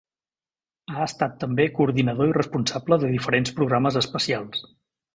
Ha estat també coordinador i responsable de diferents programes especials.